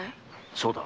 そうだ。